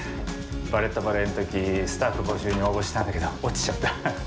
「バレット・バレエ」の時スタッフ募集に応募したんだけど落ちちゃった。